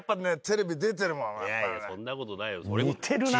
そんなことないよ。